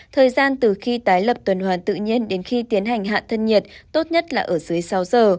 thời gian từ khi tái lập tuần hoàn tự nhiên đến khi tiến hành hạ thân nhiệt tốt nhất là ở dưới sáu giờ